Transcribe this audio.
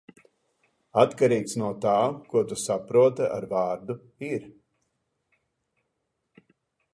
Atkarīgs no tā, ko tu saproti ar vārdu "ir".